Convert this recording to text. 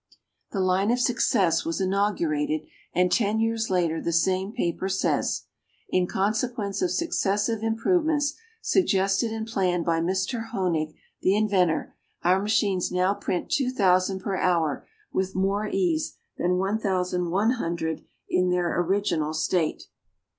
The line of success was inaugurated; and ten years later, the same paper says, "In consequence of successive improvements suggested and planned by Mr. Hoenig, the inventor, our machines now print 2,000 per hour with more ease than 1,100 in their original state."